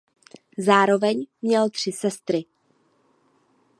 Zároveň měl tři sestry.